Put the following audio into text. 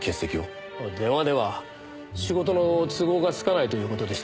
電話では仕事の都合がつかないという事でした。